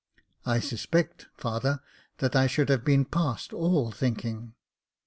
I suspect, father, that I should have been past all thinking."